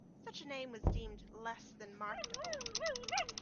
Such a name was deemed less than marketable.